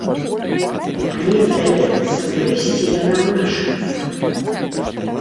Але здаецца, урэшце яна вырашыцца.